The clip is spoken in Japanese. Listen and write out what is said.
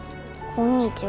こんにちは。